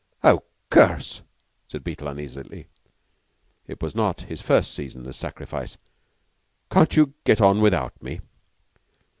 "Oh, curse!" said Beetle uneasily. It was not his first season as a sacrifice. "Can't you get on without me?"